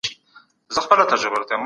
رضاکارانو د خلګو په خدمت کي کار کاوه.